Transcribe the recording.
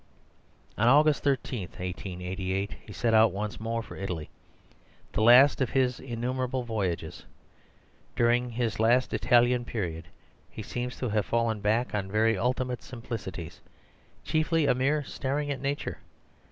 On August 13, 1888, he set out once more for Italy, the last of his innumerable voyages. During his last Italian period he seems to have fallen back on very ultimate simplicities, chiefly a mere staring at nature.